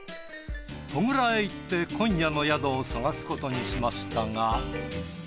戸倉へ行って今夜の宿を探すことにしましたが。